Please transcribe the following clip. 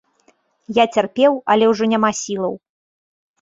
Я цярпеў, але ужо няма сілаў.